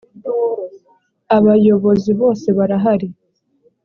abayobozi bose barahari.